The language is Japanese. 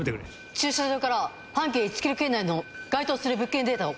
駐車場から半径１ｋｍ圏内の該当する物件データを。